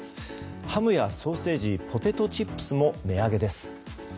ハムやソーセージポテトチップスも値上げです。